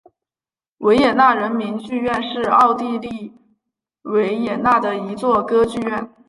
维也纳人民剧院是奥地利维也纳的一座歌剧院。